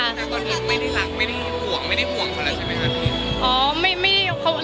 ไม่ได้รักไม่ได้ห่วงไม่ได้ห่วงคนแหละใช่ไหมครับพี่